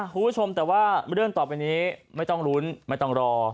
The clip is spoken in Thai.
คุณผู้ชมแต่ว่าเรื่องต่อไปนี้ไม่ต้องลุ้นไม่ต้องรอ